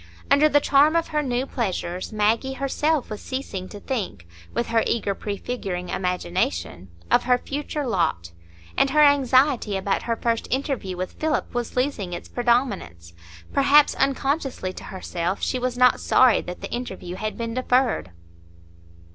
Under the charm of her new pleasures, Maggie herself was ceasing to think, with her eager prefiguring imagination, of her future lot; and her anxiety about her first interview with Philip was losing its predominance; perhaps, unconsciously to herself, she was not sorry that the interview had been deferred.